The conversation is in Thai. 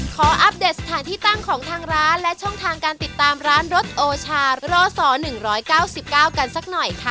ขออัพเดทสถานที่ตั้งของทางร้านและช่องทางการติดตามร้านรถโอชาร่อส่อหนึ่งร้อยเก้าสิบเก้ากันสักหน่อยค่ะ